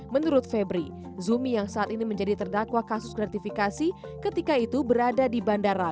menurut febri zumi yang saat ini menjadi terdakwa kasus gratifikasi ketika itu berada di bandara